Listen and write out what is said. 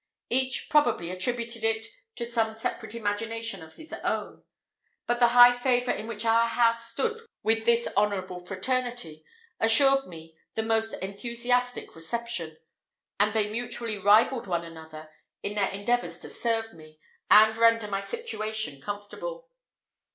Each, probably, attributed it to some separate imagination of his own; but the high favour in which our house stood with this honourable fraternity, assured me the most enthusiastic reception; and they mutually rivalled one another in their endeavours to serve me, and render my situation comfortable.